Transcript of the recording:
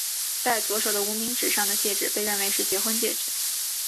戴左手的无名指上的戒指被认为是结婚戒指。